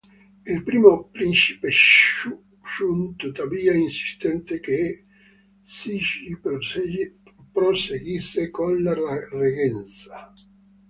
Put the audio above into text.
Il primo principe Chun tuttavia insistette che Cixi proseguisse con la reggenza.